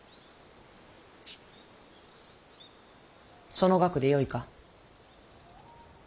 その額でよいか。